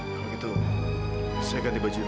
kalau begitu saya ganti baju dulu